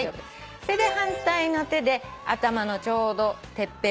それで反対の手で頭のちょうどてっぺんぐらい。